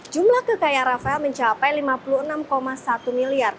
jumlah kekayaan rafael mencapai lima puluh enam satu miliar